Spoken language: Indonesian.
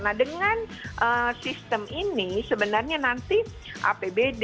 nah dengan sistem ini sebenarnya nanti apbd apbn itu